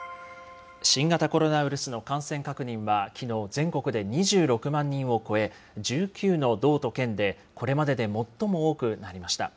新型コロナウイルスの感染確認はきのう、全国で２６万人を超え、１９の道と県でこれまでで最も多くなりました。